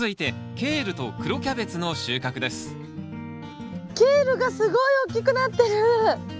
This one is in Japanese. ケールがすごい大きくなってる！